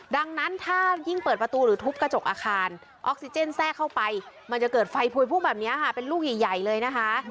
ดังนั้นถ้ายิ่งเปิดประตูหรือทุบกระจกอาคารออกซิเจนแทรกเข้าไปมันจะเกิดไฟพวยพุ่งแบบนี้ค่ะเป็นลูกใหญ่เลยนะคะ